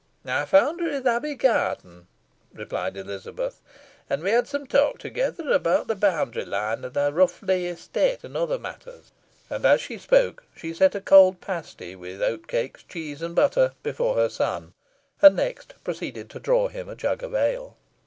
"Ey found her i' th' Abbey garden," replied Elizabeth, "an we had some tawk together, abowt th' boundary line o' th' Rough Lee estates, and other matters." And, as she spoke, she set a cold pasty, with oat cakes, cheese, and butter, before her son, and next proceeded to draw him a jug of ale.